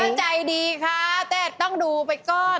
ใจดีค่ะแต่ต้องดูไปก่อน